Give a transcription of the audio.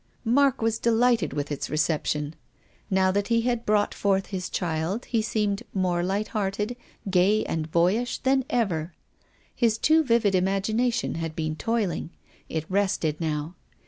Mark was delighted with its reception. Now, that he had brought forth his child, he seemed more light hearted, gay and boyish than ever. His too vivid imagination had been toiling. It rested now.